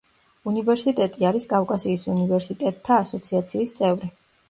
უნივერსიტეტი არის კავკასიის უნივერსიტეტთა ასოციაციის წევრი.